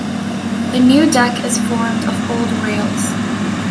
The new deck is formed of old rails.